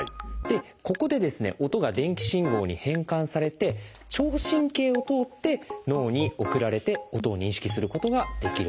ここで音が電気信号に変換されて聴神経を通って脳に送られて音を認識することができるんです。